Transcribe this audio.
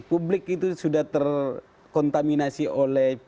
publik itu sudah terkontaminasi oleh